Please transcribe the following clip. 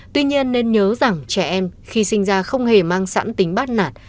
tuy nhiên nên nhớ rằng trẻ em khi sinh ra không hề mang sẵn tính bát nạt